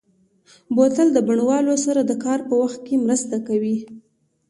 بوتل د بڼوالو سره د کار په وخت کې مرسته کوي.